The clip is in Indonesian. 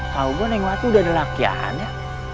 kau gue nikmati udah ada lakiannya